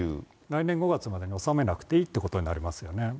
来年５月まで納めなくていいということになりますよね。